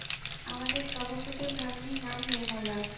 আমাদের সভাপতির ভাগ্নী, নাম নির্মলা।